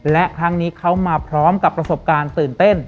และครั้งนี้เขามาพร้อมกับประสบการณ์ตื่นเต้น